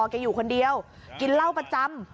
แกอยู่คนเดียวกินเหล้าประจำ